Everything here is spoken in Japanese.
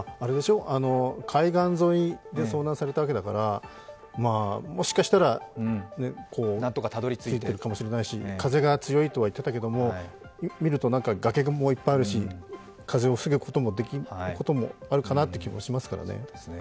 海岸沿いで遭難されたわけだから、もしかしたら何とかたどり着いているかもしれないし風が強いとは言っていたけれども、見ると崖もいっぱいあるし、風を防ぐこともあるかなという気もしますからね。